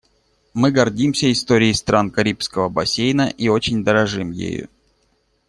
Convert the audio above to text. Мы гордимся историей стран Карибского бассейна и очень дорожим ею.